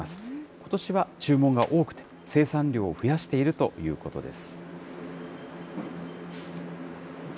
ことしは注文が多くて、生産量を増やしているということです。